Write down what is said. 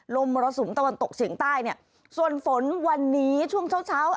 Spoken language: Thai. ลมระสุมตะวันตกเฉียงใต้ส่วนฝนวันนี้ช่วงเช้า